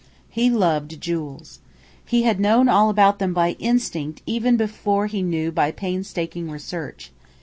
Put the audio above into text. He loved jewels. He had known all about them by instinct even before he knew by painstaking research.